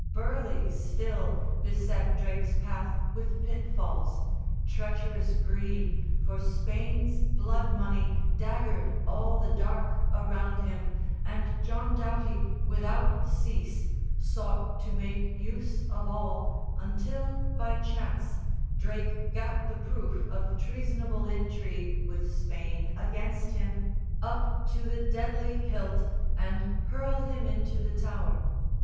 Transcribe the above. Burleigh still Beset Drake's path with pitfalls: treacherous greed For Spain's blood money daggered all the dark Around him, and John Doughty without cease Sought to make use of all; until, by chance, Drake gat the proof of treasonable intrigue With Spain, against him, up to the deadly hilt, And hurled him into the Tower.